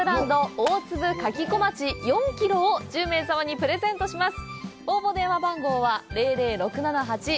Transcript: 大粒かき小町４キロを１０名様にプレゼントいたします。